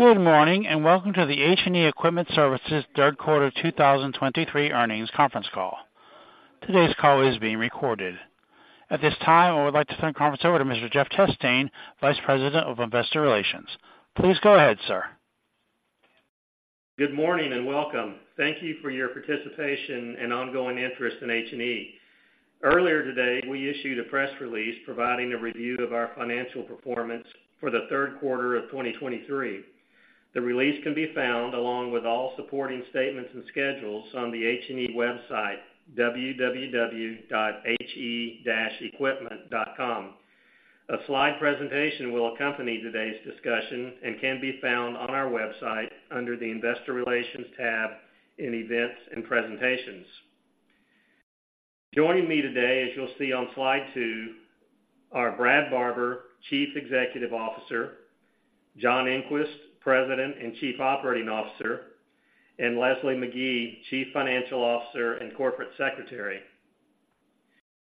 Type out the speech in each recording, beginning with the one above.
Good morning, and welcome to the H&E Equipment Services Third Quarter 2023 Earnings Conference Call. Today's call is being recorded. At this time, I would like to turn the conference over to Mr. Jeff Chastain, Vice President of Investor Relations. Please go ahead, sir. Good morning, and welcome. Thank you for your participation and ongoing interest in H&E. Earlier today, we issued a press release providing a review of our financial performance for the third quarter of 2023. The release can be found, along with all supporting statements and schedules, on the H&E website, www.he-equipment.com. A slide presentation will accompany today's discussion and can be found on our website under the Investor Relations tab in Events and Presentations. Joining me today, as you'll see on slide 2, are Brad Barber, Chief Executive Officer, John Engquist, President and Chief Operating Officer, and Leslie Magee, Chief Financial Officer and Corporate Secretary.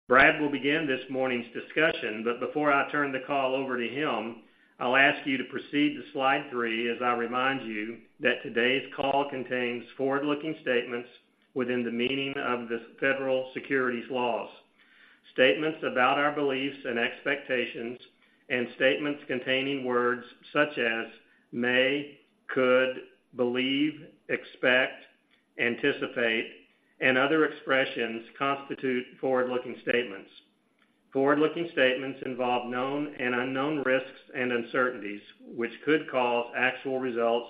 Brad will begin this morning's discussion, but before I turn the call over to him, I'll ask you to proceed to slide 3 as I remind you that today's call contains forward-looking statements within the meaning of the federal securities laws. Statements about our beliefs and expectations, and statements containing words such as may, could, believe, expect, anticipate, and other expressions constitute forward-looking statements. Forward-looking statements involve known and unknown risks and uncertainties, which could cause actual results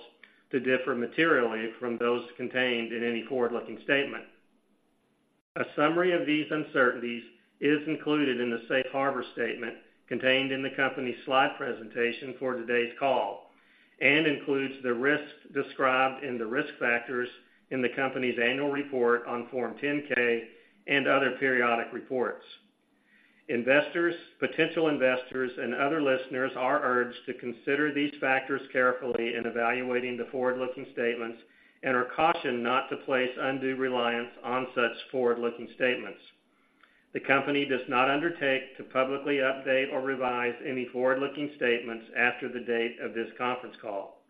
to differ materially from those contained in any forward-looking statement. A summary of these uncertainties is included in the safe harbor statement contained in the company's slide presentation for today's call and includes the risks described in the risk factors in the company's annual report on Form 10-K and other periodic reports. Investors, potential investors, and other listeners are urged to consider these factors carefully in evaluating the forward-looking statements and are cautioned not to place undue reliance on such forward-looking statements. The company does not undertake to publicly update or revise any forward-looking statements after the date of this conference call.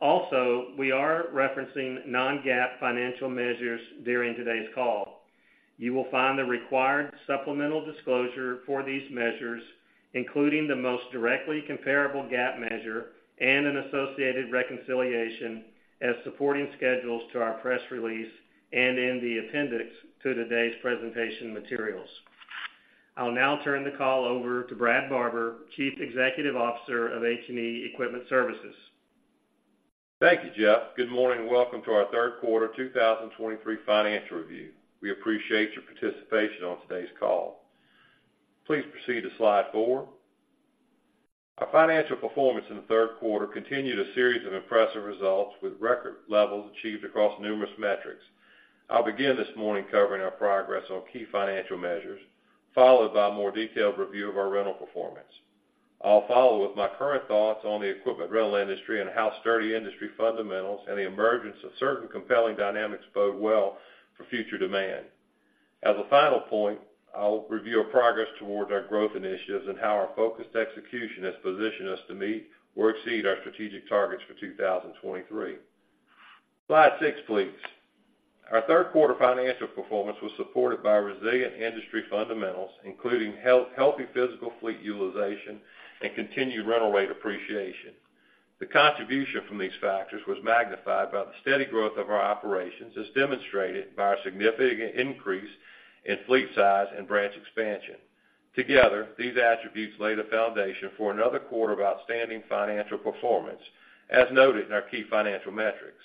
Also, we are referencing non-GAAP financial measures during today's call. You will find the required supplemental disclosure for these measures, including the most directly comparable GAAP measure and an associated reconciliation, as supporting schedules to our press release and in the appendix to today's presentation materials. I'll now turn the call over to Brad Barber, Chief Executive Officer of H&E Equipment Services. Thank you, Jeff. Good morning, and welcome to our third quarter 2023 financial review. We appreciate your participation on today's call. Please proceed to slide 4. Our financial performance in the third quarter continued a series of impressive results, with record levels achieved across numerous metrics. I'll begin this morning covering our progress on key financial measures, followed by a more detailed review of our rental performance. I'll follow with my current thoughts on the equipment rental industry and how sturdy industry fundamentals and the emergence of certain compelling dynamics bode well for future demand. As a final point, I'll review our progress towards our growth initiatives and how our focused execution has positioned us to meet or exceed our strategic targets for 2023. Slide 6, please. Our third quarter financial performance was supported by resilient industry fundamentals, including healthy physical fleet utilization, and continued rental rate appreciation. The contribution from these factors was magnified by the steady growth of our operations, as demonstrated by our significant increase in fleet size and branch expansion. Together, these attributes lay the foundation for another quarter of outstanding financial performance, as noted in our key financial metrics.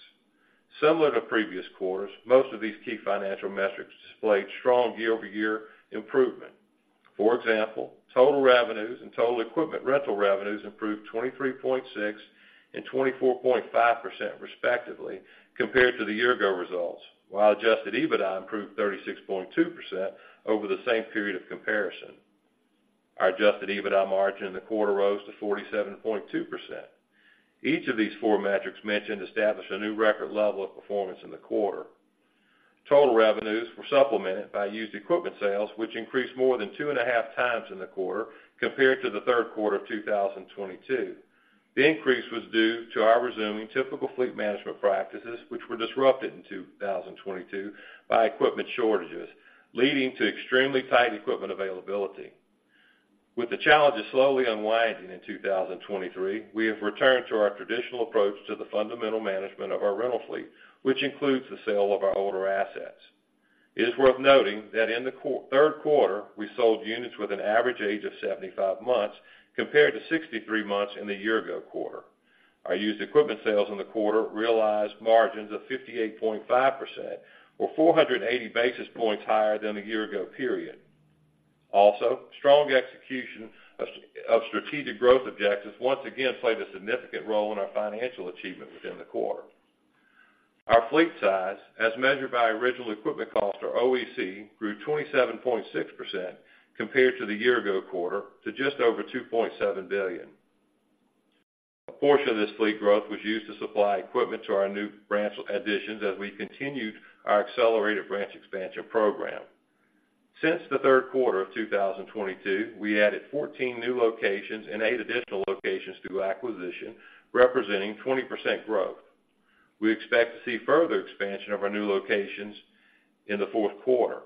Similar to previous quarters, most of these key financial metrics displayed strong year-over-year improvement. For example, total revenues and total equipment rental revenues improved 23.6% and 24.5%, respectively, compared to the year-ago results, while Adjusted EBITDA improved 36.2% over the same period of comparison. Our Adjusted EBITDA margin in the quarter rose to 47.2%. Each of these four metrics mentioned established a new record level of performance in the quarter. Total revenues were supplemented by used equipment sales, which increased more than 2.5 times in the quarter compared to the third quarter of 2022. The increase was due to our resuming typical fleet management practices, which were disrupted in 2022 by equipment shortages, leading to extremely tight equipment availability. With the challenges slowly unwinding in 2023, we have returned to our traditional approach to the fundamental management of our rental fleet, which includes the sale of our older assets. It is worth noting that in the third quarter, we sold units with an average age of 75 months, compared to 63 months in the year ago quarter. Our used equipment sales in the quarter realized margins of 58.5%, or 480 basis points higher than the year ago period. Also, strong execution of strategic growth objectives once again played a significant role in our financial achievement within the quarter. Our fleet size, as measured by original equipment cost, or OEC, grew 27.6% compared to the year ago quarter to just over $2.7 billion. A portion of this fleet growth was used to supply equipment to our new branch additions as we continued our accelerated branch expansion program. Since the third quarter of 2022, we added 14 new locations and 8 additional locations through acquisition, representing 20% growth. We expect to see further expansion of our new locations in the fourth quarter.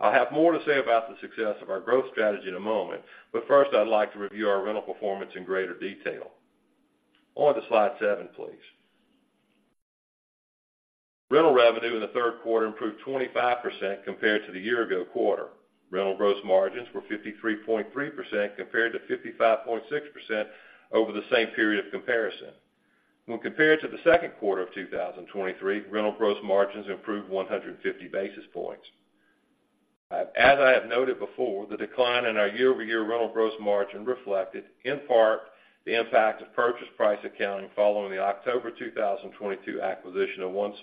I'll have more to say about the success of our growth strategy in a moment, but first, I'd like to review our rental performance in greater detail. On to Slide seven, please. Rental revenue in the third quarter improved 25% compared to the year ago quarter. Rental gross margins were 53.3% compared to 55.6% over the same period of comparison. When compared to the second quarter of 2023, rental gross margins improved 150 basis points. As I have noted before, the decline in our year-over-year rental gross margin reflected, in part, the impact of purchase price accounting following the October 2022 acquisition of One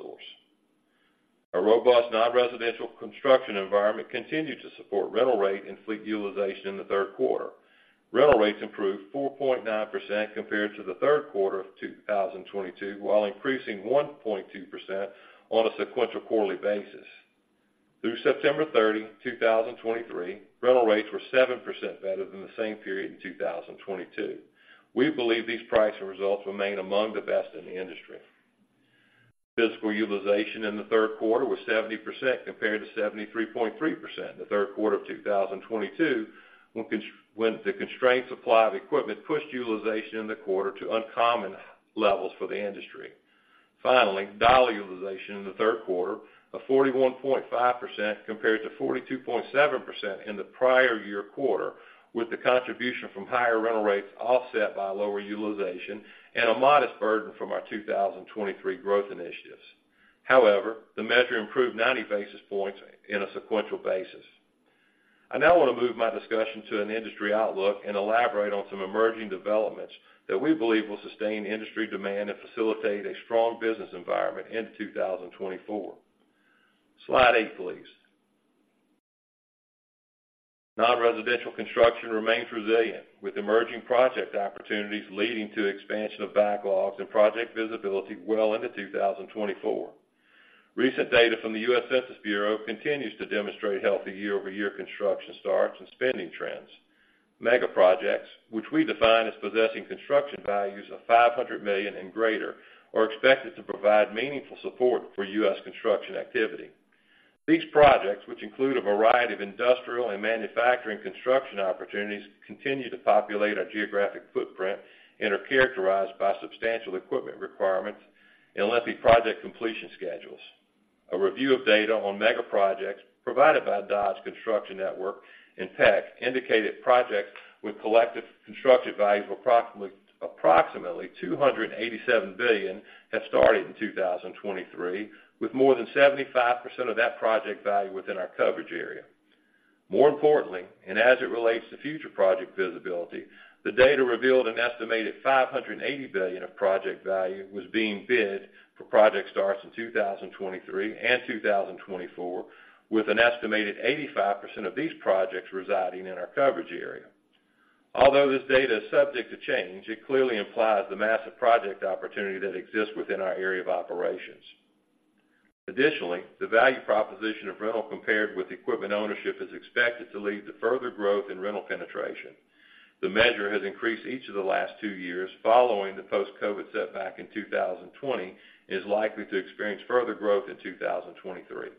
Source. Our robust non-residential construction environment continued to support rental rate and fleet utilization in the third quarter. Rental rates improved 4.9% compared to the third quarter of 2022, while increasing 1.2% on a sequential quarterly basis. Through September 30, 2023, rental rates were 7% better than the same period in 2022. We believe these pricing results remain among the best in the industry. Physical Utilization in the third quarter was 70%, compared to 73.3% in the third quarter of 2022, when the constrained supply of equipment pushed utilization in the quarter to uncommon levels for the industry. Finally, dollar utilization in the third quarter of 41.5% compared to 42.7% in the prior year quarter, with the contribution from higher rental rates offset by lower utilization and a modest burden from our 2023 growth initiatives. However, the measure improved 90 basis points in a sequential basis. I now want to move my discussion to an industry outlook and elaborate on some emerging developments that we believe will sustain industry demand and facilitate a strong business environment into 2024. Slide 8, please. Non-residential construction remains resilient, with emerging project opportunities leading to expansion of backlogs and project visibility well into 2024. Recent data from the U.S. Census Bureau continues to demonstrate healthy year-over-year construction starts and spending trends. Megaprojects, which we define as possessing construction values of $500 million and greater, are expected to provide meaningful support for U.S. construction activity. These projects, which include a variety of industrial and manufacturing construction opportunities, continue to populate our geographic footprint and are characterized by substantial equipment requirements and lengthy project completion schedules. A review of data on megaprojects provided by Dodge Construction Network and PEC indicated projects with collective construction values of approximately $287 billion have started in 2023, with more than 75% of that project value within our coverage area. More importantly, and as it relates to future project visibility, the data revealed an estimated $580 billion of project value was being bid for project starts in 2023 and 2024, with an estimated 85% of these projects residing in our coverage area. Although this data is subject to change, it clearly implies the massive project opportunity that exists within our area of operations. Additionally, the value proposition of rental compared with equipment ownership is expected to lead to further growth in rental penetration. The measure has increased each of the last 2 years following the post-COVID setback in 2020, and is likely to experience further growth in 2023.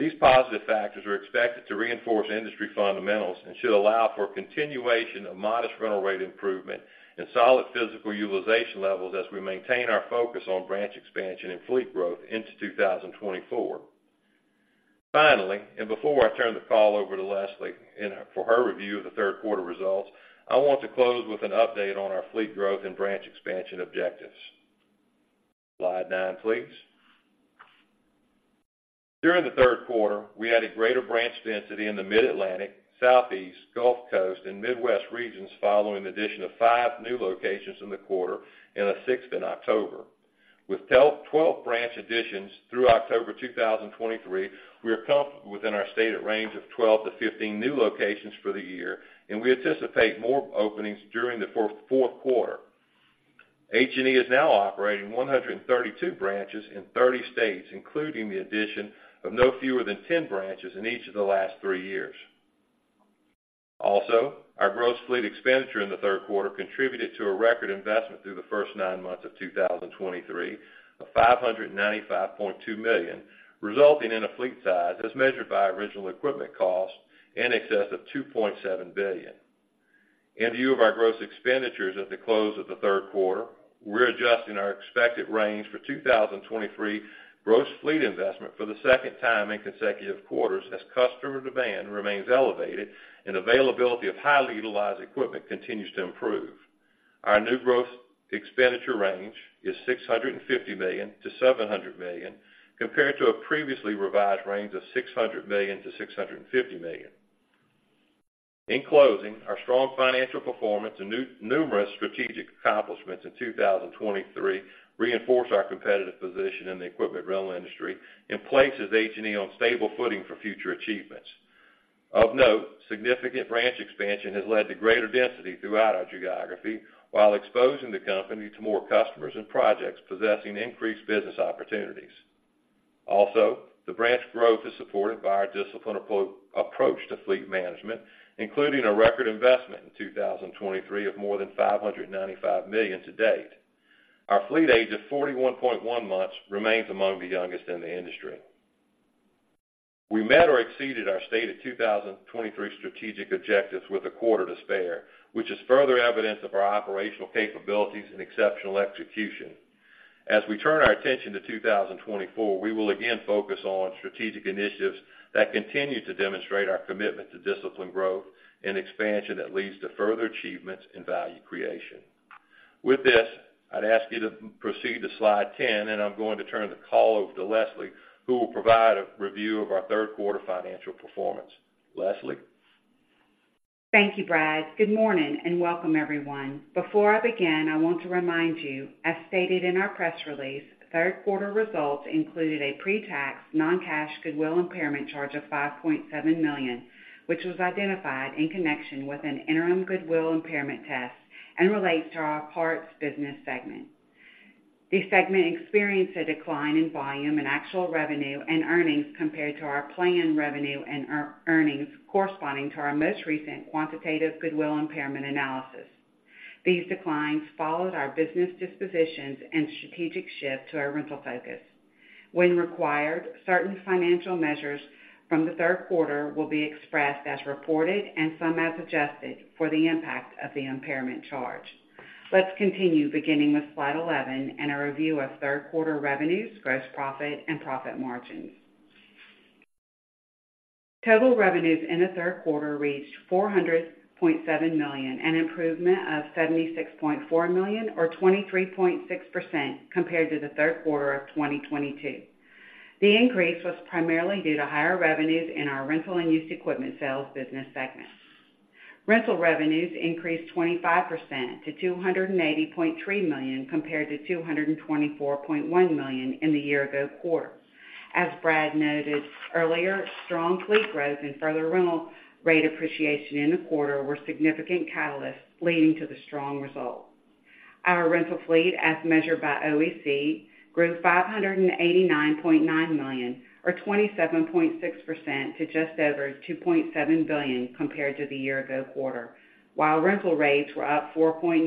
These positive factors are expected to reinforce industry fundamentals and should allow for continuation of modest rental rate improvement and solid physical utilization levels as we maintain our focus on branch expansion and fleet growth into 2024. Finally, and before I turn the call over to Leslie and, for her review of the third quarter results, I want to close with an update on our fleet growth and branch expansion objectives. Slide 9, please. During the third quarter, we had a greater branch density in the Mid-Atlantic, Southeast, Gulf Coast, and Midwest regions, following the addition of 5 new locations in the quarter and a sixth in October. With 12 branch additions through October 2023, we are comfortable within our stated range of 12-15 new locations for the year, and we anticipate more openings during the fourth quarter. H&E is now operating 132 branches in 30 states, including the addition of no fewer than 10 branches in each of the last three years. Also, our gross fleet expenditure in the third quarter contributed to a record investment through the first nine months of 2023, of $595.2 million, resulting in a fleet size, as measured by original equipment cost, in excess of $2.7 billion. In view of our gross expenditures at the close of the third quarter, we're adjusting our expected range for 2023 gross fleet investment for the second time in consecutive quarters, as customer demand remains elevated and availability of highly utilized equipment continues to improve. Our new growth expenditure range is $650 million-$700 million, compared to a previously revised range of $600 million-$650 million. In closing, our strong financial performance and numerous strategic accomplishments in 2023 reinforce our competitive position in the equipment rental industry and places H&E on stable footing for future achievement. Of note, significant branch expansion has led to greater density throughout our geography, while exposing the company to more customers and projects possessing increased business opportunities. Also, the branch growth is supported by our disciplined approach to fleet management, including a record investment in 2023 of more than $595 million to date. Our fleet age of 41.1 months remains among the youngest in the industry. We met or exceeded our stated 2023 strategic objectives with a quarter to spare, which is further evidence of our operational capabilities and exceptional execution. As we turn our attention to 2024, we will again focus on strategic initiatives that continue to demonstrate our commitment to disciplined growth and expansion that leads to further achievements and value creation. With this, I'd ask you to proceed to slide 10, and I'm going to turn the call over to Leslie, who will provide a review of our third quarter financial performance. Leslie? Thank you, Brad. Good morning, and welcome, everyone. Before I begin, I want to remind you, as stated in our press release, third quarter results included a pre-tax non-cash goodwill impairment charge of $5.7 million, which was identified in connection with an interim goodwill impairment test and relates to our parts business segment. The segment experienced a decline in volume and actual revenue and earnings compared to our planned revenue and earnings, corresponding to our most recent quantitative goodwill impairment analysis. These declines followed our business dispositions and strategic shift to our rental focus. When required, certain financial measures from the third quarter will be expressed as reported and some as adjusted for the impact of the impairment charge. Let's continue beginning with slide 11 and a review of third quarter revenues, gross profit, and profit margins. Total revenues in the third quarter reached $400.7 million, an improvement of $76.4 million or 23.6% compared to the third quarter of 2022. The increase was primarily due to higher revenues in our rental and used equipment sales business segment. Rental revenues increased 25% to $280.3 million, compared to $224.1 million in the year ago quarter. As Brad noted earlier, strong fleet growth and further rental rate appreciation in the quarter were significant catalysts leading to the strong result. Our rental fleet, as measured by OEC, grew $589.9 million, or 27.6%, to just over $2.7 billion compared to the year ago quarter, while rental rates were up 4.9%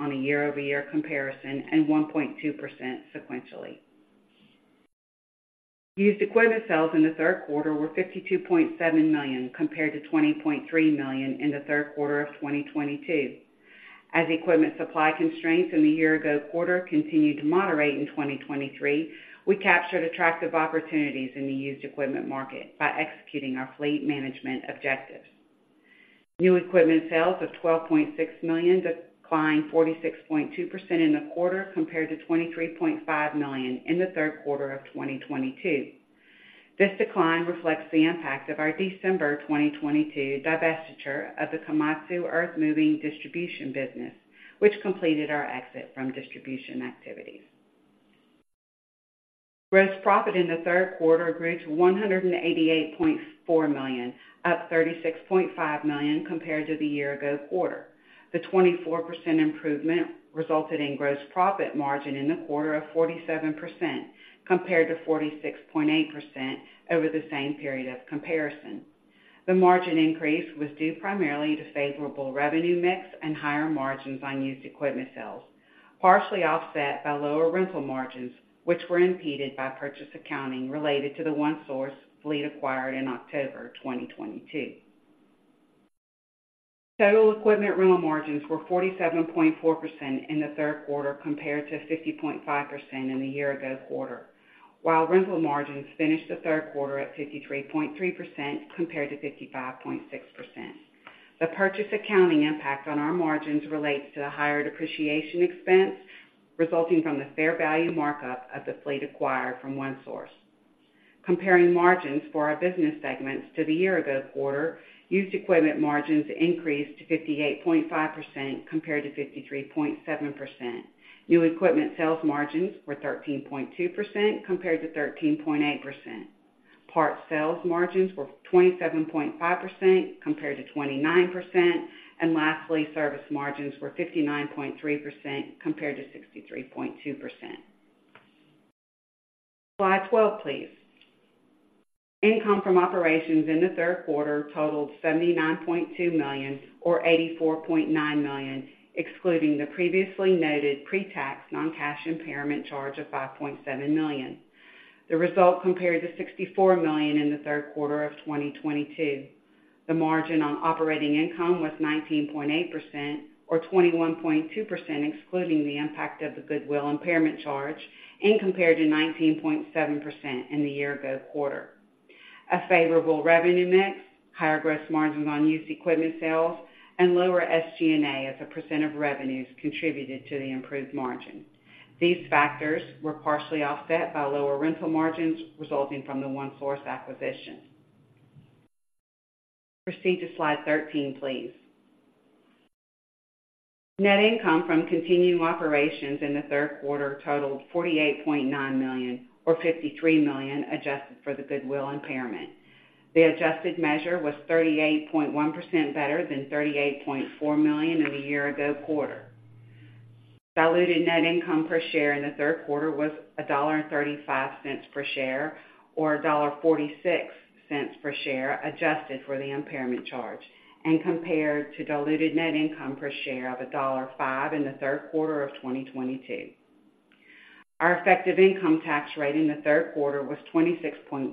on a year-over-year comparison and 1.2% sequentially. Used equipment sales in the third quarter were $52.7 million, compared to $20.3 million in the third quarter of 2022. As equipment supply constraints in the year ago quarter continued to moderate in 2023, we captured attractive opportunities in the used equipment market by executing our fleet management objectives. New equipment sales of $12.6 million declined 46.2% in the quarter, compared to $23.5 million in the third quarter of 2022. This decline reflects the impact of our December 2022 divestiture of the Komatsu earthmoving distribution business, which completed our exit from distribution activities. Gross profit in the third quarter grew to $188.4 million, up $36.5 million compared to the year ago quarter. The 24% improvement resulted in gross profit margin in the quarter of 47%, compared to 46.8% over the same period of comparison. The margin increase was due primarily to favorable revenue mix and higher margins on used equipment sales, partially offset by lower rental margins, which were impeded by purchase accounting related to the One Source fleet acquired in October 2022. Total equipment rental margins were 47.4% in the third quarter, compared to 50.5% in the year-ago quarter, while rental margins finished the third quarter at 53.3%, compared to 55.6%. The purchase accounting impact on our margins relates to the higher depreciation expense resulting from the fair value markup of the fleet acquired from One Source. Comparing margins for our business segments to the year-ago quarter, used equipment margins increased to 58.5%, compared to 53.7%. New equipment sales margins were 13.2%, compared to 13.8%. Parts sales margins were 27.5%, compared to 29%, and lastly, service margins were 59.3%, compared to 63.2%. Slide 12, please. Income from operations in the third quarter totaled $79.2 million or $84.9 million, excluding the previously noted pretax non-cash impairment charge of $5.7 million. The result compared to $64 million in the third quarter of 2022. The margin on operating income was 19.8% or 21.2%, excluding the impact of the goodwill impairment charge and compared to 19.7% in the year ago quarter. A favorable revenue mix, higher gross margins on used equipment sales, and lower SG&A as a percent of revenues contributed to the improved margin. These factors were partially offset by lower rental margins resulting from the One Source acquisition. Proceed to slide 13, please. Net income from continuing operations in the third quarter totaled $48.9 million, or $53 million, adjusted for the goodwill impairment. The adjusted measure was 38.1% better than $38.4 million in the year ago quarter. Diluted net income per share in the third quarter was $1.35 per share, or $1.46 per share, adjusted for the impairment charge, and compared to diluted net income per share of $1.05 in the third quarter of 2022. Our effective income tax rate in the third quarter was 26.1%,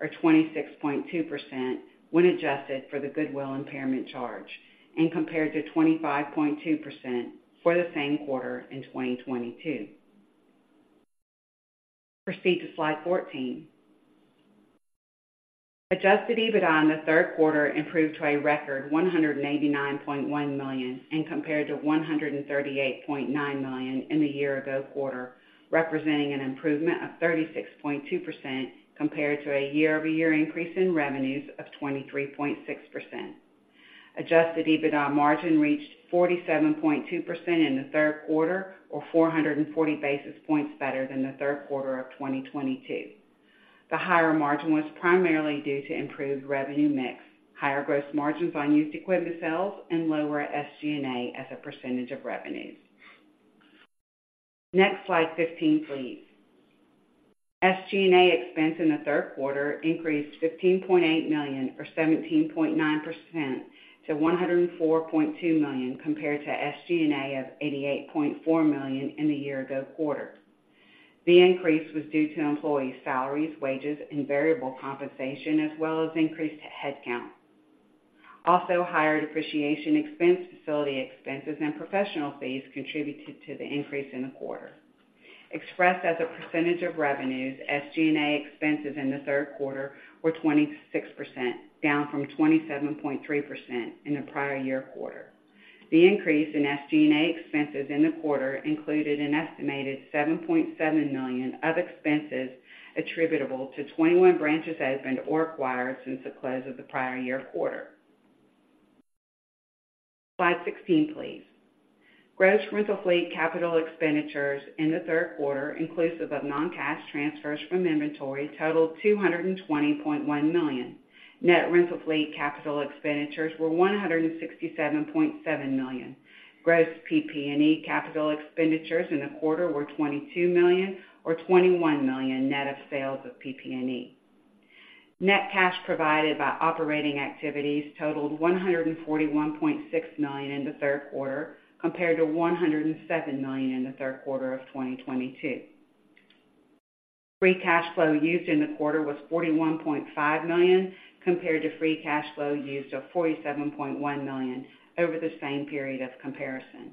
or 26.2%, when adjusted for the goodwill impairment charge, and compared to 25.2% for the same quarter in 2022. Proceed to Slide 14. Adjusted EBITDA in the third quarter improved to a record $189.1 million, and compared to $138.9 million in the year ago quarter, representing an improvement of 36.2% compared to a year-over-year increase in revenues of 23.6%. Adjusted EBITDA margin reached 47.2% in the third quarter, or 440 basis points better than the third quarter of 2022. The higher margin was primarily due to improved revenue mix, higher gross margins on used equipment sales, and lower SG&A as a percentage of revenues. Next, Slide 15, please. SG&A expense in the third quarter increased $15.8 million, or 17.9%, to $104.2 million, compared to SG&A of $88.4 million in the year ago quarter. The increase was due to employee salaries, wages, and variable compensation, as well as increased headcount. Also, higher depreciation expense, facility expenses, and professional fees contributed to the increase in the quarter. Expressed as a percentage of revenues, SG&A expenses in the third quarter were 26%, down from 27.3% in the prior year quarter. The increase in SG&A expenses in the quarter included an estimated $7.7 million of expenses attributable to 21 branches opened or acquired since the close of the prior year quarter. Slide 16, please. Gross rental fleet capital expenditures in the third quarter, inclusive of non-cash transfers from inventory, totaled $220.1 million. Net rental fleet capital expenditures were $167.7 million. Gross PP&E capital expenditures in the quarter were $22 million or $21 million, net of sales of PP&E. Net cash provided by operating activities totaled $141.6 million in the third quarter, compared to $107 million in the third quarter of 2022. Free cash flow used in the quarter was $41.5 million, compared to free cash flow used of $47.1 million over the same period of comparison.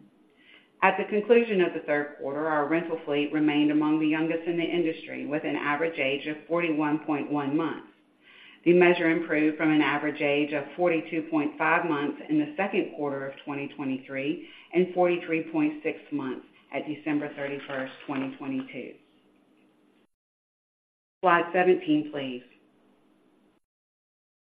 At the conclusion of the third quarter, our rental fleet remained among the youngest in the industry, with an average age of 41.1 months. The measure improved from an average age of 42.5 months in the second quarter of 2023 and 43.6 months at December 31, 2022. Slide 17, please.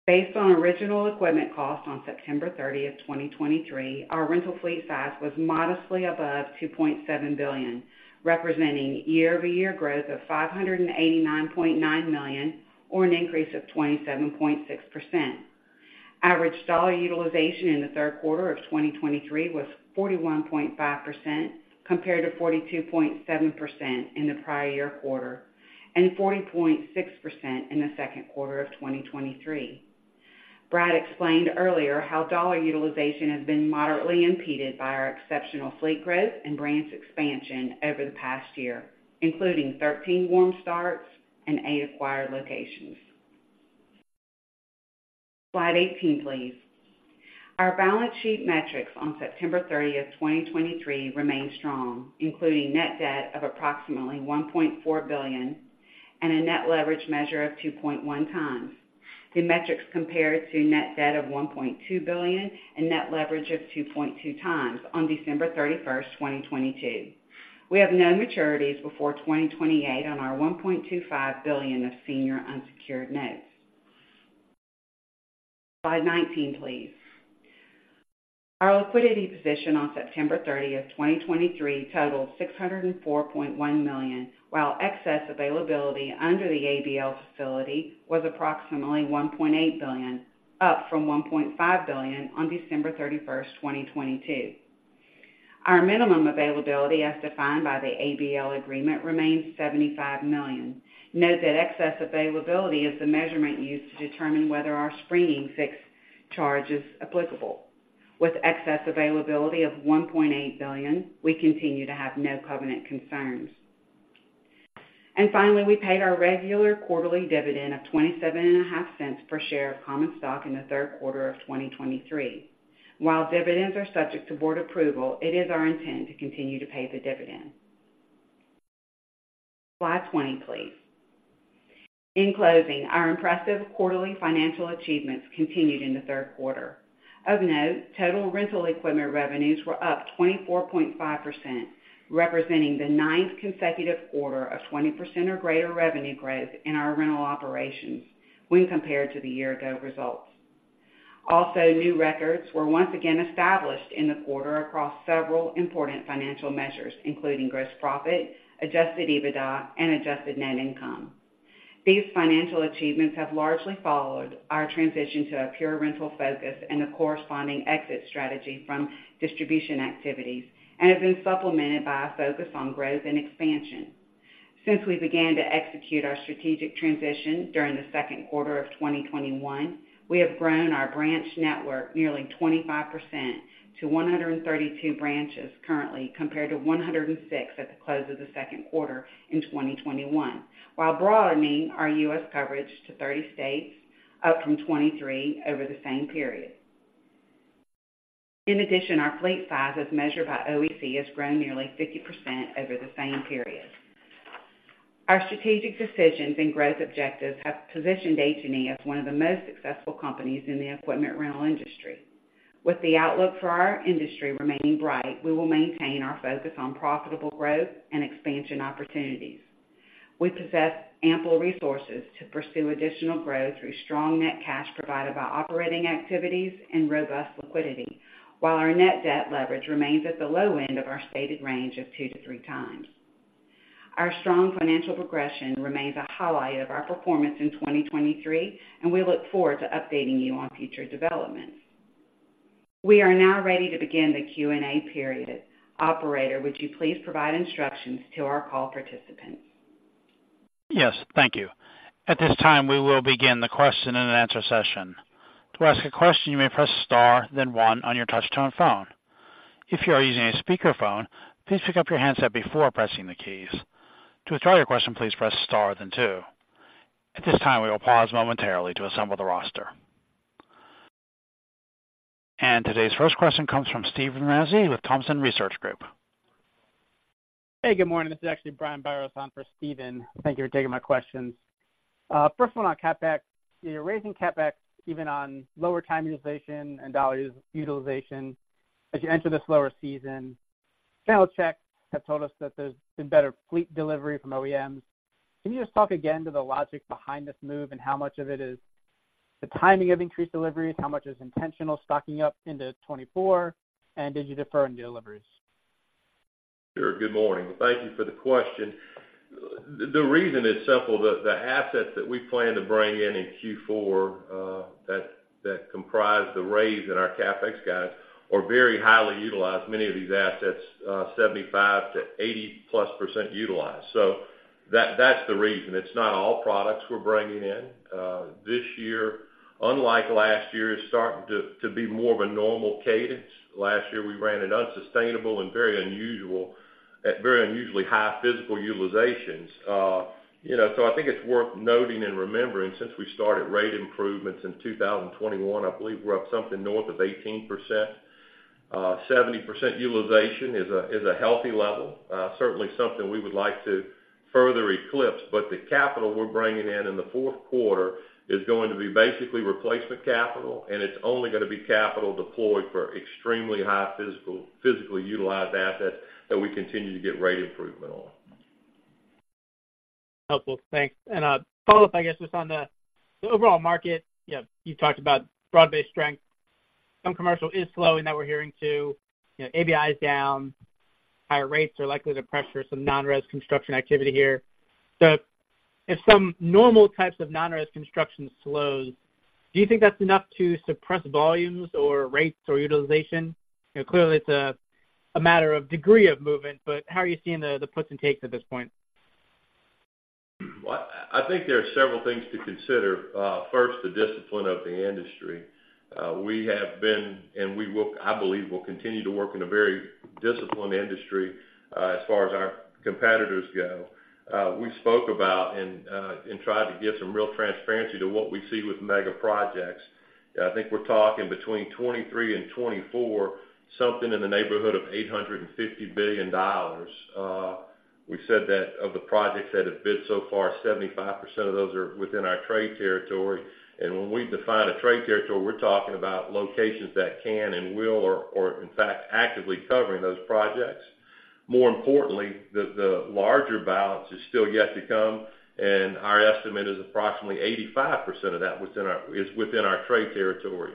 Based on original equipment cost on September 30, 2023, our rental fleet size was modestly above $2.7 billion, representing year-over-year growth of $589.9 million, or an increase of 27.6%. Average dollar utilization in the third quarter of 2023 was 41.5%, compared to 42.7% in the prior year quarter, and 40.6% in the second quarter of 2023. Brad explained earlier how dollar utilization has been moderately impeded by our exceptional fleet growth and branch expansion over the past year, including 13 warm starts and eight acquired locations. Slide 18, please. Our balance sheet metrics on September 30, 2023, remain strong, including net debt of approximately $1.4 billion and a net leverage measure of 2.1 times. The metrics compared to net debt of $1.2 billion and net leverage of 2.2 times on December 31, 2022. We have no maturities before 2028 on our $1.25 billion of senior unsecured notes. Slide 19, please. Our liquidity position on September 30, 2023, totaled $604.1 million, while excess availability under the ABL facility was approximately $1.8 billion, up from $1.5 billion on December 31, 2022. Our minimum availability, as defined by the ABL agreement, remains $75 million. Note that excess availability is the measurement used to determine whether our screening fixed charge is applicable. With excess availability of $1.8 billion, we continue to have no covenant concerns. Finally, we paid our regular quarterly dividend of $0.275 per share of common stock in the third quarter of 2023. While dividends are subject to board approval, it is our intent to continue to pay the dividend. Slide 20, please. In closing, our impressive quarterly financial achievements continued in the third quarter. Of note, total rental equipment revenues were up 24.5%, representing the ninth consecutive quarter of 20% or greater revenue growth in our rental operations... when compared to the year-ago results. Also, new records were once again established in the quarter across several important financial measures, including gross profit, Adjusted EBITDA, and adjusted net income. These financial achievements have largely followed our transition to a pure rental focus and a corresponding exit strategy from distribution activities and have been supplemented by a focus on growth and expansion. Since we began to execute our strategic transition during the second quarter of 2021, we have grown our branch network nearly 25% to 132 branches currently, compared to 106 at the close of the second quarter in 2021, while broadening our U.S. coverage to 30 states, up from 23 over the same period. In addition, our fleet size, as measured by OEC, has grown nearly 50% over the same period. Our strategic decisions and growth objectives have positioned H&E as one of the most successful companies in the equipment rental industry. With the outlook for our industry remaining bright, we will maintain our focus on profitable growth and expansion opportunities. We possess ample resources to pursue additional growth through strong net cash provided by operating activities and robust liquidity, while our net debt leverage remains at the low end of our stated range of 2-3 times. Our strong financial progression remains a highlight of our performance in 2023, and we look forward to updating you on future developments. We are now ready to begin the Q&A period. Operator, would you please provide instructions to our call participants? Yes, thank you. At this time, we will begin the question-and-answer session. To ask a question, you may press star, then one on your touch-tone phone. If you are using a speakerphone, please pick up your handset before pressing the keys. To withdraw your question, please press star, then two. At this time, we will pause momentarily to assemble the roster. Today's first question comes from Steven Ramsey with Thompson Research Group. Hey, good morning. This is actually Brian Biros on for Steven. Thank you for taking my questions. First one on CapEx. You're raising CapEx even on lower time utilization and dollar utilization as you enter this slower season. Channel checks have told us that there's been better fleet delivery from OEMs. Can you just talk again to the logic behind this move and how much of it is the timing of increased deliveries, how much is intentional stocking up into 2024, and did you defer any deliveries? Sure. Good morning. Thank you for the question. The reason is simple. The assets that we plan to bring in in Q4 that comprise the raise in our CapEx guide are very highly utilized. Many of these assets, 75%-80%+ utilized. So that's the reason. It's not all products we're bringing in. This year, unlike last year, is starting to be more of a normal cadence. Last year, we ran an unsustainable and very unusual, at very unusually high physical utilizations. You know, so I think it's worth noting and remembering, since we started rate improvements in 2021, I believe we're up something north of 18%. 70% utilization is a healthy level, certainly something we would like to further eclipse. But the capital we're bringing in in the fourth quarter is going to be basically replacement capital, and it's only going to be capital deployed for extremely high physically utilized assets that we continue to get rate improvement on. Helpful. Thanks. And, a follow-up, I guess, just on the overall market. You know, you've talked about broad-based strength. Some commercial is slowing that we're hearing, too. You know, ABI is down. Higher rates are likely to pressure some non-res construction activity here. So if some normal types of non-res construction slows, do you think that's enough to suppress volumes or rates or utilization? You know, clearly, it's a matter of degree of movement, but how are you seeing the puts and takes at this point? Well, I think there are several things to consider. First, the discipline of the industry. We have been, and we will, I believe, will continue to work in a very disciplined industry, as far as our competitors go. We spoke about and tried to give some real transparency to what we see with megaprojects. I think we're talking between 2023 and 2024, something in the neighborhood of $850 billion. We said that of the projects that have bid so far, 75% of those are within our trade territory. When we define a trade territory, we're talking about locations that can and will or, or in fact, actively covering those projects. More importantly, the larger balance is still yet to come, and our estimate is approximately 85% of that is within our trade territory.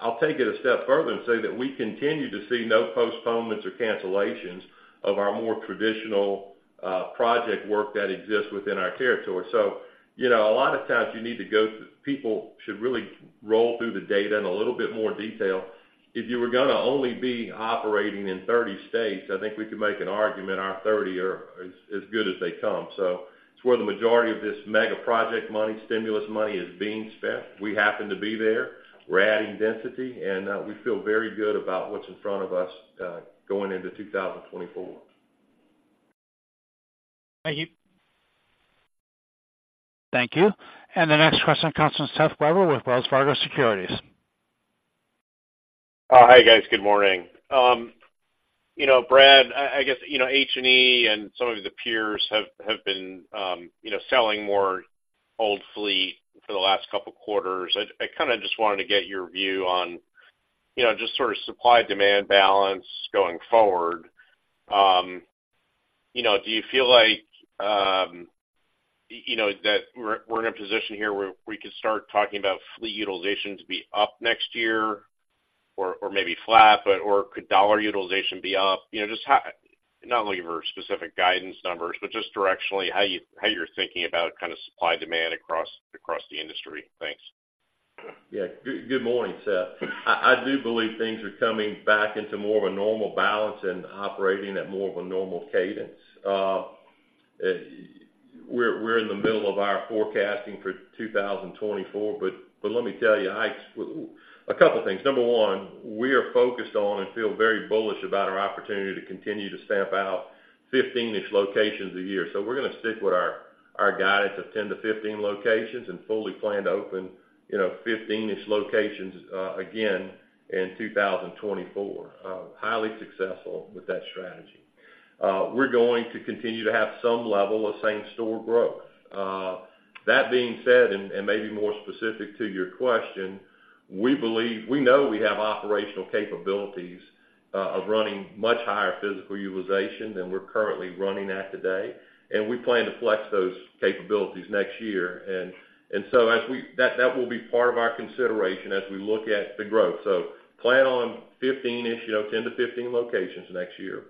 I'll take it a step further and say that we continue to see no postponements or cancellations of our more traditional project work that exists within our territory. So, you know, a lot of times you need to go. People should really roll through the data in a little bit more detail. If you were going to only be operating in 30 states, I think we could make an argument our 30 are as good as they come. So it's where the majority of this megaproject money, stimulus money, is being spent. We happen to be there. We're adding density, and we feel very good about what's in front of us going into 2024. Thank you. Thank you. The next question comes from Seth Weber with Wells Fargo Securities. Hi, guys. Good morning. You know, Brad, I guess you know, H&E and some of the peers have been selling more old fleet for the last couple of quarters. I kind of just wanted to get your view on just sort of supply-demand balance going forward. You know, do you feel like that we're in a position here where we could start talking about fleet utilization to be up next year, or maybe flat, but could dollar utilization be up? You know, just how—not looking for specific guidance numbers, but just directionally, how you're thinking about kind of supply, demand across the industry? Thanks. Yeah. Good, good morning, Seth. I, I do believe things are coming back into more of a normal balance and operating at more of a normal cadence. We're in the middle of our forecasting for 2024, but let me tell you, I—a couple things. Number one, we are focused on and feel very bullish about our opportunity to continue to stamp out 15-ish locations a year. So we're going to stick with our guidance of 10-15 locations, and fully plan to open, you know, 15-ish locations again in 2024. Highly successful with that strategy. We're going to continue to have some level of same-store growth. That being said, and maybe more specific to your question, we believe, we know we have operational capabilities of running much higher physical utilization than we're currently running at today, and we plan to flex those capabilities next year. That will be part of our consideration as we look at the growth. Plan on 15-ish, you know, 10-15 locations next year.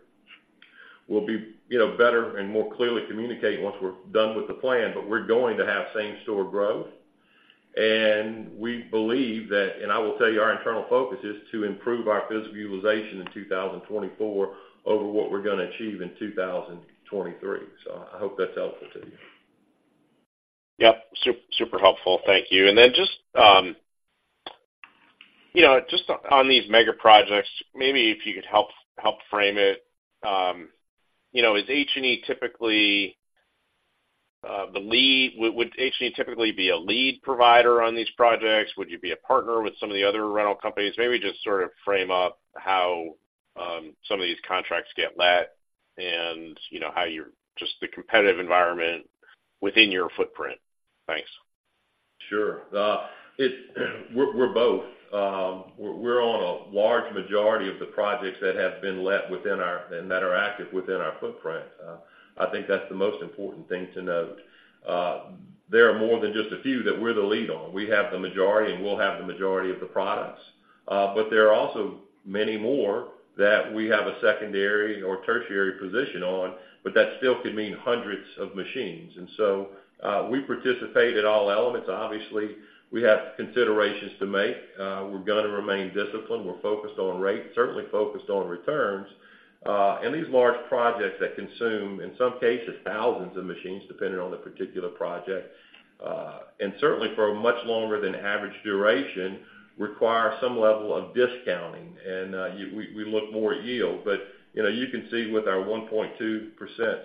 We'll be, you know, better and more clearly communicate once we're done with the plan, but we're going to have same-store growth. We believe that, and I will tell you, our internal focus is to improve our physical utilization in 2024 over what we're going to achieve in 2023. I hope that's helpful to you. Yep. Super, super helpful. Thank you. And then just, you know, just on these megaprojects, maybe if you could help frame it. You know, is H&E typically the lead? Would H&E typically be a lead provider on these projects? Would you be a partner with some of the other rental companies? Maybe just sort of frame up how some of these contracts get let and, you know, how you're... Just the competitive environment within your footprint. Thanks. Sure. We're both. We're on a large majority of the projects that have been let within our, and that are active within our footprint. I think that's the most important thing to note. There are more than just a few that we're the lead on. We have the majority, and we'll have the majority of the products. But there are also many more that we have a secondary or tertiary position on, but that still could mean hundreds of machines. And so, we participate in all elements. Obviously, we have considerations to make. We're going to remain disciplined. We're focused on rate, certainly focused on returns. And these large projects that consume, in some cases, thousands of machines, depending on the particular project, and certainly for a much longer than average duration, require some level of discounting, and we look more at yield. But, you know, you can see with our 1.2%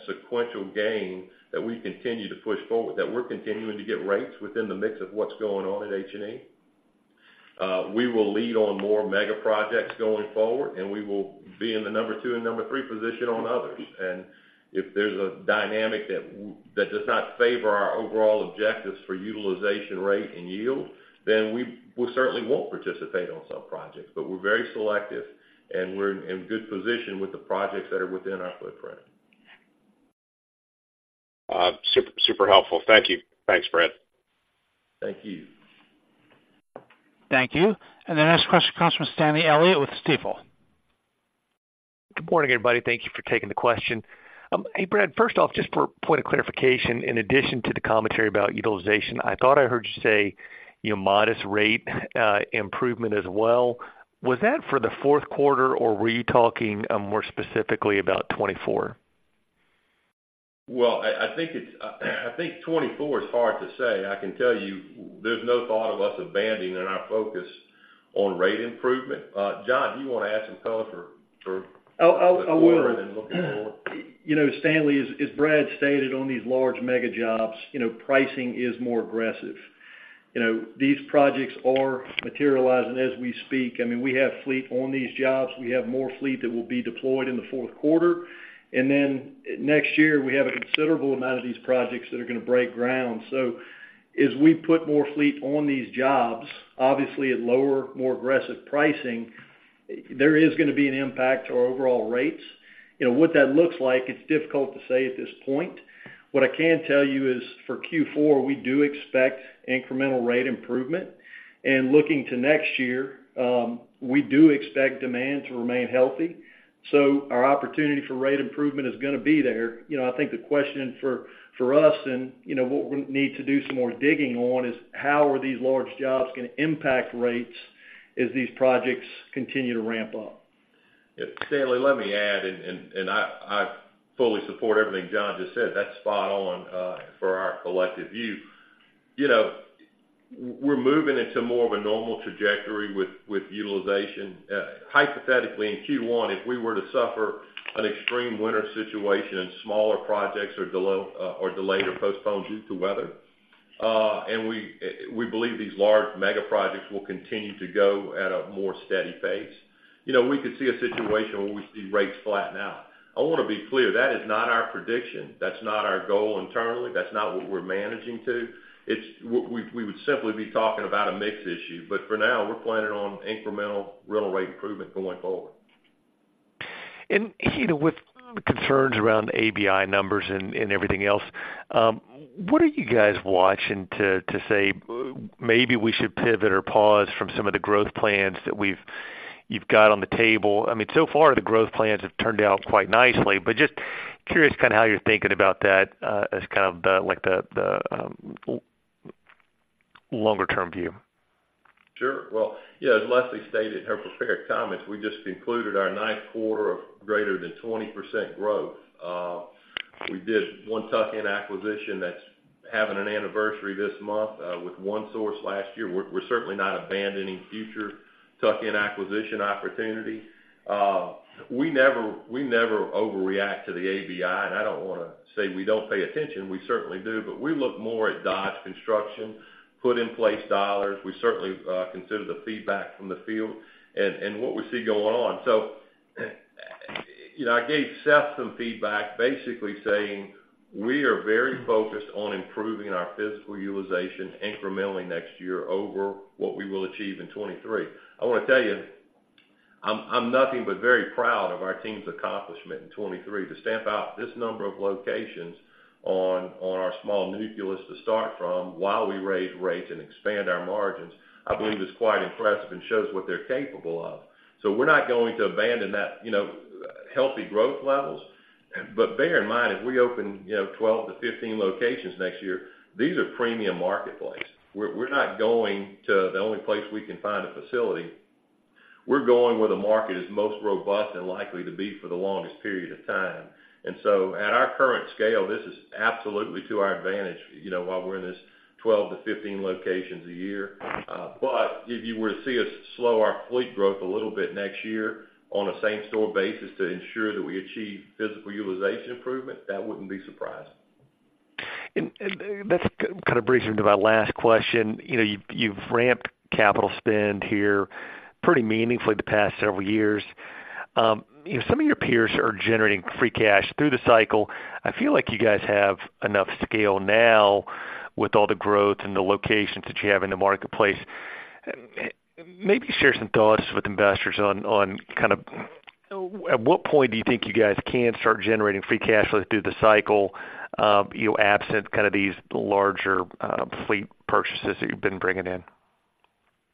sequential gain, that we continue to push forward, that we're continuing to get rates within the mix of what's going on at H&E. We will lead on more megaprojects going forward, and we will be in the number two and number three position on others. And if there's a dynamic that does not favor our overall objectives for utilization rate and yield, then we certainly won't participate on some projects. But we're very selective, and we're in good position with the projects that are within our footprint. Super, super helpful. Thank you. Thanks, Brad. Thank you. Thank you. The next question comes from Stanley Elliott with Stifel. Good morning, everybody. Thank you for taking the question. Hey, Brad, first off, just for point of clarification, in addition to the commentary about utilization, I thought I heard you say, you know, modest rate improvement as well. Was that for the fourth quarter, or were you talking more specifically about 2024? Well, I think it's 24 is hard to say. I can tell you there's no thought of us abandoning in our focus on rate improvement. John, do you want to add some color for, for- I will And then looking forward? You know, Stanley, as Brad stated on these large mega jobs, you know, these projects are materializing as we speak. I mean, we have fleet on these jobs. We have more fleet that will be deployed in the fourth quarter. And then next year, we have a considerable amount of these projects that are going to break ground. So as we put more fleet on these jobs, obviously at lower, more aggressive pricing, there is going to be an impact to our overall rates. You know, what that looks like, it's difficult to say at this point. What I can tell you is, for Q4, we do expect incremental rate improvement. And looking to next year, we do expect demand to remain healthy, so our opportunity for rate improvement is going to be there. You know, I think the question for us, and, you know, what we need to do some more digging on, is how are these large jobs going to impact rates as these projects continue to ramp up? Yeah, Stanley, let me add. I fully support everything John just said. That's spot on for our collective view. You know, we're moving into more of a normal trajectory with utilization. Hypothetically, in Q1, if we were to suffer an extreme winter situation and smaller projects are delayed or postponed due to weather, and we believe these large megaprojects will continue to go at a more steady pace. You know, we could see a situation where we see rates flatten out. I want to be clear: that is not our prediction. That's not our goal internally. That's not what we're managing to. It's we would simply be talking about a mix issue, but for now, we're planning on incremental rental rate improvement going forward.... And, you know, with concerns around ABI numbers and everything else, what are you guys watching to say, maybe we should pivot or pause from some of the growth plans that we've—you've got on the table? I mean, so far, the growth plans have turned out quite nicely, but just curious kind of how you're thinking about that, as kind of the, like, the longer-term view. Sure. Well, yeah, as Leslie stated in her prepared comments, we just concluded our ninth quarter of greater than 20% growth. We did one tuck-in acquisition that's having an anniversary this month, with One Source last year. We're certainly not abandoning future tuck-in acquisition opportunity. We never overreact to the ABI, and I don't want to say we don't pay attention. We certainly do, but we look more at Dodge Construction put in place dollars. We certainly consider the feedback from the field and what we see going on. So, you know, I gave Seth some feedback, basically saying, we are very focused on improving our physical utilization incrementally next year over what we will achieve in 2023. I want to tell you, I'm nothing but very proud of our team's accomplishment in 2023. To stamp out this number of locations on, on our small nucleus to start from while we raise rates and expand our margins, I believe is quite impressive and shows what they're capable of. So we're not going to abandon that, you know, healthy growth levels. But bear in mind, as we open, you know, 12-15 locations next year, these are premium marketplace. We're, we're not going to the only place we can find a facility. We're going where the market is most robust and likely to be for the longest period of time. And so at our current scale, this is absolutely to our advantage, you know, while we're in this 12-15 locations a year. But, if you were to see us slow our fleet growth a little bit next year on a same store basis to ensure that we achieve physical utilization improvement, that wouldn't be surprising. That's kind of brings me to my last question. You know, you've ramped capital spend here pretty meaningfully the past several years. Some of your peers are generating free cash through the cycle. I feel like you guys have enough scale now with all the growth and the locations that you have in the marketplace. Maybe share some thoughts with investors on kind of... At what point do you think you guys can start generating free cash flow through the cycle, you know, absent kind of these larger fleet purchases that you've been bringing in?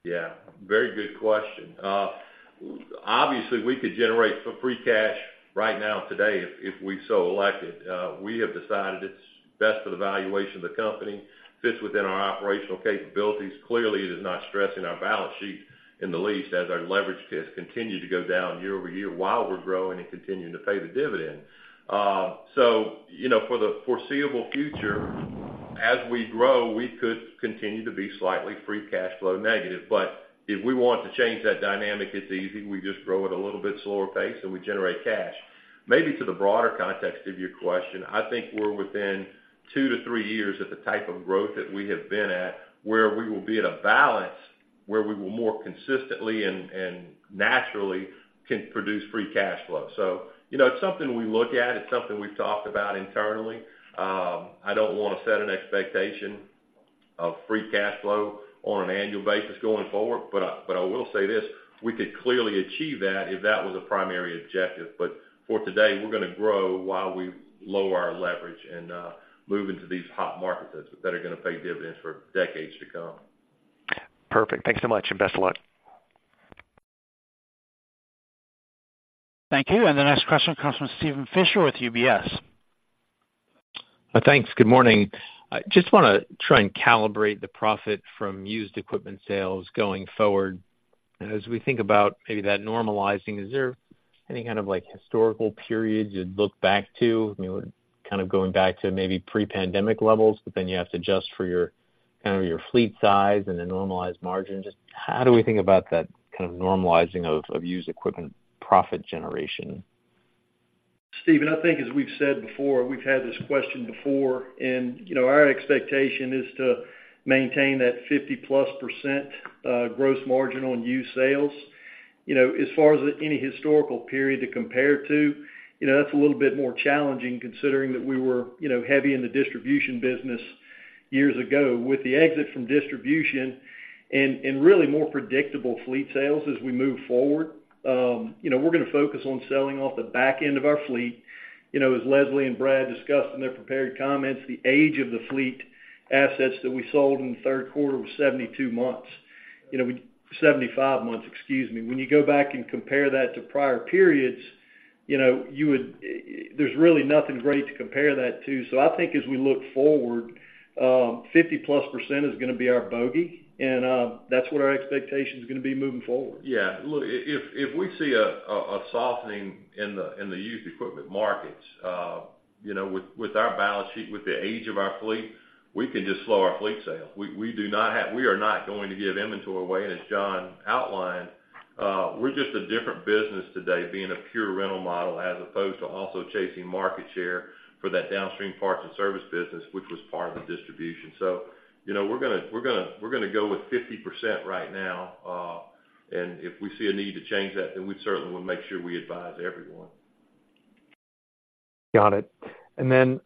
Yeah, very good question. Obviously, we could generate some free cash right now today if we so elected. We have decided it's best for the valuation of the company, fits within our operational capabilities. Clearly, it is not stressing our balance sheet in the least as our leverage risk continues to go down year-over-year while we're growing and continuing to pay the dividend. So, you know, for the foreseeable future, as we grow, we could continue to be slightly free cash flow negative. But if we want to change that dynamic, it's easy. We just grow at a little bit slower pace, and we generate cash. Maybe to the broader context of your question, I think we're within 2-3 years at the type of growth that we have been at, where we will be at a balance, where we will more consistently and naturally can produce free cash flow. So, you know, it's something we look at. It's something we've talked about internally. I don't want to set an expectation of free cash flow on an annual basis going forward, but I will say this, we could clearly achieve that if that was a primary objective. But for today, we're going to grow while we lower our leverage and move into these hot markets that are going to pay dividends for decades to come. Perfect. Thanks so much, and best of luck. Thank you. The next question comes from Steven Fisher with UBS. Thanks. Good morning. I just want to try and calibrate the profit from used equipment sales going forward. As we think about maybe that normalizing, is there any kind of, like, historical periods you'd look back to? You know, kind of going back to maybe pre-pandemic levels, but then you have to adjust for your, kind of your fleet size and the normalized margin. Just how do we think about that kind of normalizing of, of used equipment profit generation? Stephen, I think as we've said before, we've had this question before, and, you know, our expectation is to maintain that 50%+ gross margin on used sales. You know, as far as any historical period to compare to, you know, that's a little bit more challenging, considering that we were, you know, heavy in the distribution business years ago. With the exit from distribution and, and really more predictable fleet sales as we move forward, you know, we're going to focus on selling off the back end of our fleet. You know, as Leslie and Brad discussed in their prepared comments, the age of the fleet assets that we sold in the third quarter was 72 months. You know, 75 months, excuse me. When you go back and compare that to prior periods, you know, you would... There's really nothing great to compare that to. I think as we look forward, 50%+ is going to be our bogey, and that's what our expectation is going to be moving forward. Yeah, look, if we see a softening in the used equipment markets, you know, with our balance sheet, with the age of our fleet, we can just slow our fleet sales. We do not have - we are not going to give inventory away. And as John outlined, we're just a different business today, being a pure rental model, as opposed to also chasing market share for that downstream parts and service business, which was part of the distribution. So, you know, we're gonna go with 50% right now, and if we see a need to change that, then we certainly will make sure we advise everyone. Got it. And then,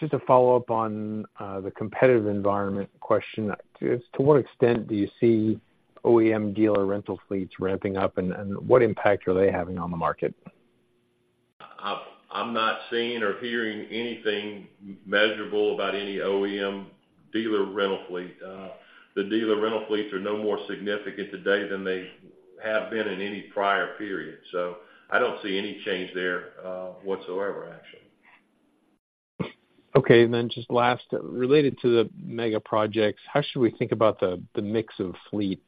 just a follow-up on the competitive environment question. To what extent do you see OEM dealer rental fleets ramping up, and what impact are they having on the market? I'm not seeing or hearing anything measurable about any OEM dealer rental fleet. The dealer rental fleets are no more significant today than they have been in any prior period. I don't see any change there, whatsoever, actually. Okay, and then just last, related to the Megaprojects, how should we think about the mix of fleet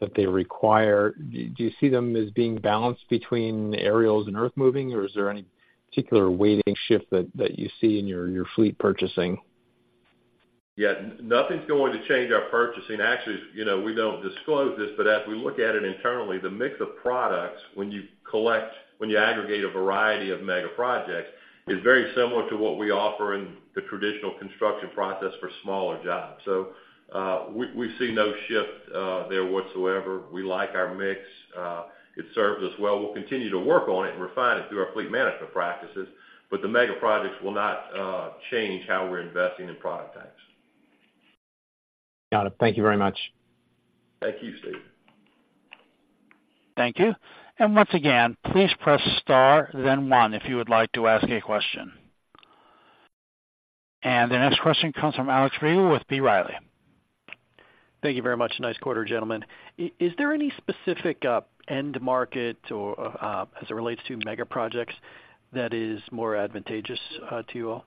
that they require? Do you see them as being balanced between aerials and earthmoving, or is there any particular weighting shift that you see in your fleet purchasing? Yeah, nothing's going to change our purchasing. Actually, you know, we don't disclose this, but as we look at it internally, the mix of products when you collect, when you aggregate a variety of megaprojects, is very similar to what we offer in the traditional construction process for smaller jobs. So, we see no shift there whatsoever. We like our mix. It serves us well. We'll continue to work on it and refine it through our fleet management practices, but the megaprojects will not change how we're investing in product types. Got it. Thank you very much. Thank you, Steve. Thank you. And once again, please press star, then one, if you would like to ask a question. And the next question comes from Alex Rygiel with B Riley. Thank you very much. Nice quarter, gentlemen. Is there any specific end market or, as it relates to megaprojects, that is more advantageous to you all?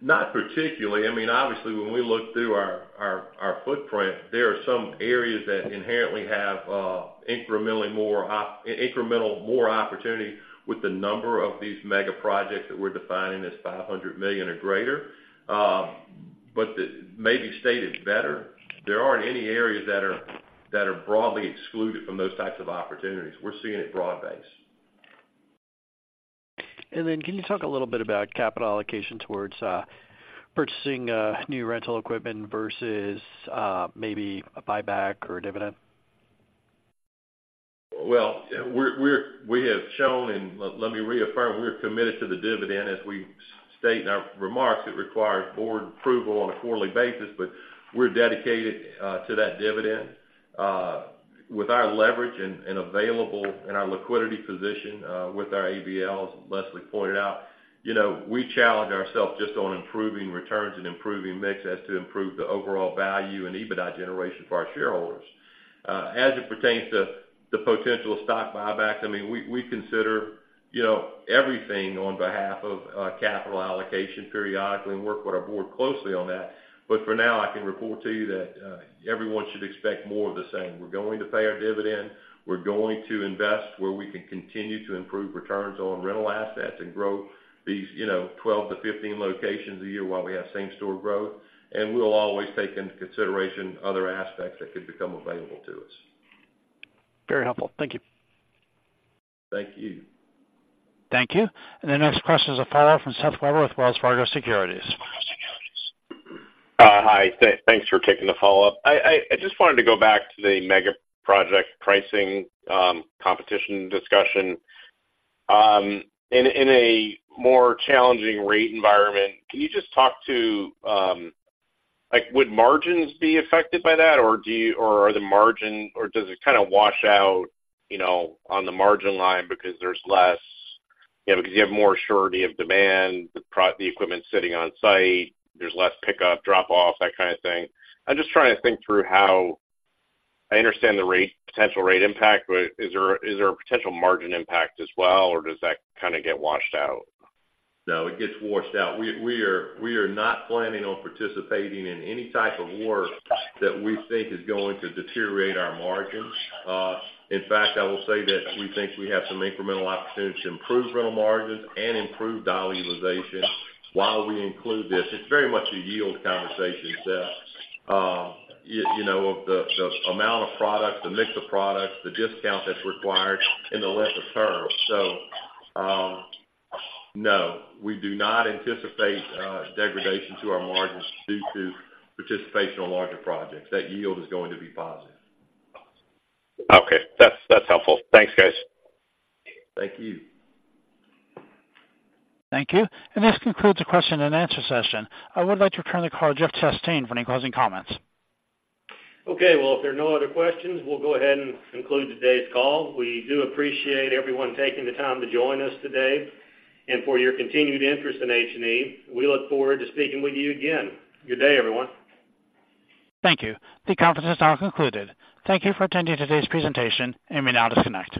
Not particularly. I mean, obviously, when we look through our footprint, there are some areas that inherently have incrementally more opportunity with the number of these megaprojects that we're defining as $500 million or greater. But that may be stated better, there aren't any areas that are broadly excluded from those types of opportunities. We're seeing it broad-based. Can you talk a little bit about capital allocation towards purchasing new rental equipment versus maybe a buyback or a dividend? Well, we have shown, and let me reaffirm, we're committed to the dividend. As we state in our remarks, it requires board approval on a quarterly basis, but we're dedicated to that dividend. With our leverage and available and our liquidity position, with our ABLs, Leslie pointed out, you know, we challenge ourselves just on improving returns and improving mix as to improve the overall value and EBITDA generation for our shareholders. As it pertains to the potential stock buyback, I mean, we consider, you know, everything on behalf of capital allocation periodically and work with our board closely on that. But for now, I can report to you that everyone should expect more of the same. We're going to pay our dividend, we're going to invest where we can continue to improve returns on rental assets and grow these, you know, 12-15 locations a year while we have same store growth. We'll always take into consideration other aspects that could become available to us. Very helpful. Thank you. Thank you. Thank you. The next question is a follow-up from Seth Weber with Wells Fargo Securities. Hi, thanks for taking the follow-up. I just wanted to go back to the megaproject pricing, competition discussion. In a more challenging rate environment, can you just talk to... Like, would margins be affected by that, or does it kind of wash out, you know, on the margin line because there's less, you know, because you have more surety of demand, the equipment sitting on site, there's less pickup, drop off, that kind of thing? I'm just trying to think through how... I understand the rate, potential rate impact, but is there a potential margin impact as well, or does that kind of get washed out? No, it gets washed out. We are not planning on participating in any type of work that we think is going to deteriorate our margins. In fact, I will say that we think we have some incremental opportunity to improve rental margins and improve dollar utilization while we include this. It's very much a yield conversation, Seth. You know, the amount of product, the mix of products, the discount that's required and the length of term. So, no, we do not anticipate degradation to our margins due to participation on larger projects. That yield is going to be positive. Okay. That's, that's helpful. Thanks, guys. Thank you. Thank you. This concludes the question and answer session. I would like to turn the call to Jeff Chastain for any closing comments. Okay, well, if there are no other questions, we'll go ahead and conclude today's call. We do appreciate everyone taking the time to join us today and for your continued interest in H&E. We look forward to speaking with you again. Good day, everyone. Thank you. The conference is now concluded. Thank you for attending today's presentation, and may now disconnect.